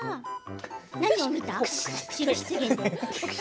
何を見た？